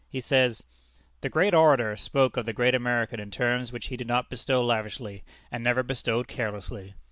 He says: "The great orator spoke of the great American in terms which he did not bestow lavishly, and never bestowed carelessly.